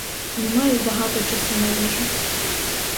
Не маю багато часу на їжу.